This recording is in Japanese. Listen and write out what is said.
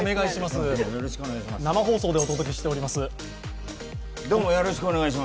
生放送でお届けしております。